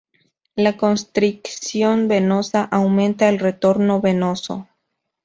La constricción venosa aumenta el retorno venoso.